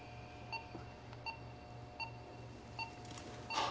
あっ！